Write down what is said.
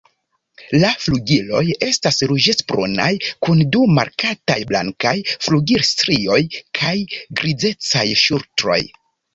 La flugiloj estas ruĝecbrunaj kun du markataj blankaj flugilstrioj kaj grizecaj ŝultroj.